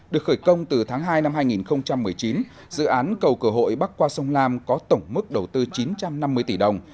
được khởi công từ tháng hai năm hai nghìn một mươi chín dự án cầu cửa hội bắc qua sông lam có tổng mức đầu tư chín trăm năm mươi tỷ đồng